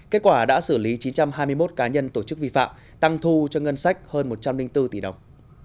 kết quả đã xử lý chín trăm hai mươi một cá nhân tổ chức vi phạm tăng thu cho ngân sách hơn một trăm linh bốn tỷ đồng